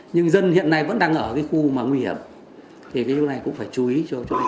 nhưng dân hiện nay vẫn đang ở cái khu mà nguy hiểm thì cái chỗ này cũng phải chú ý cho chúng tôi